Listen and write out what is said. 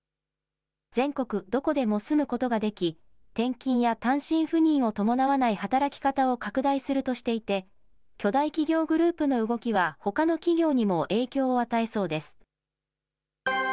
全国どこでも住むことができ、転勤や単身赴任を伴わない働き方を拡大するとしていて、巨大企業グループの動きは、ほかの企業にも影響を与えそうです。